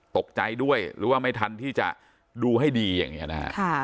ตกใจด้วยหรือว่าไม่ทันที่จะดูให้ดีอย่างนี้นะฮะ